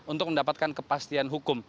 untuk mendapatkan kepastian hukum